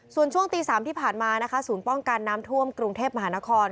ส่วนช่วงตี๓ที่ผ่านมานะคะศูนย์ป้องกันน้ำท่วมกรุงเทพมหานคร